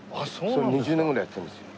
それ２０年ぐらいやってるんですよ。